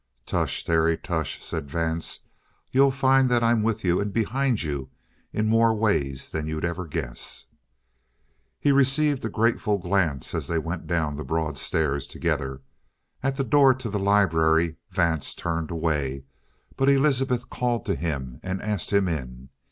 "Tush, Terry, tush!" said Vance. "You'll find that I'm with you and behind you in more ways than you'd ever guess." He received a grateful glance as they went down the broad stairs together. At the door to the library Vance turned away, but Elizabeth called to him and asked him in.